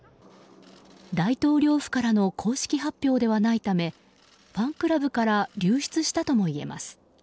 大統領府からの公式発表ではないためファンクラブから流出したともいえます。